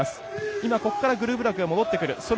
今、ここからグルブラクが戻ってくる。